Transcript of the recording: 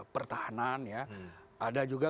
pertahanan ya ada juga